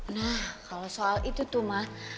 nah kalo soal itu tuh ma